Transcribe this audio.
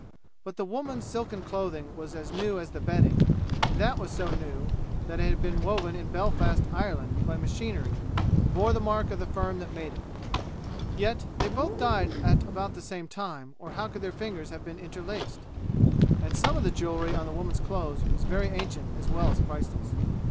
But the woman's silken clothing was as new as the bedding; and that was so new that it had been woven in Belfast, Ireland, by machinery and bore the mark of the firm that made it! Yet, they both died at about the same time, or how could their fingers have been interlaced? And some of the jewelry on the woman's clothes was very ancient as well as priceless.